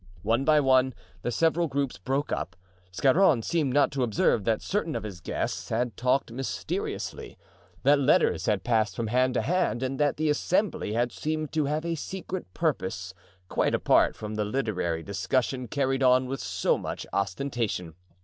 One by one the several groups broke up. Scarron seemed not to observe that certain of his guests had talked mysteriously, that letters had passed from hand to hand and that the assembly had seemed to have a secret purpose quite apart from the literary discussion carried on with so much ostentation.